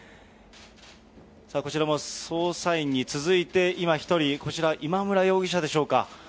こちらも捜査員に続いて今、１人、こちら、今村容疑者でしょうか。